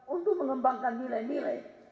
untuk mengembangkan nilai nilai